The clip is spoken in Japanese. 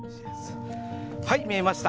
はい見えました。